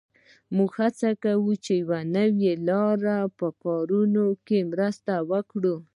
موږ هڅه کړې چې د یوې نوې لارې په کارونه مرسته وکړو